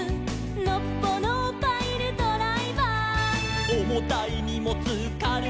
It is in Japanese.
「のっぽのパイルドライバー」「おもたいにもつかるがるあげる」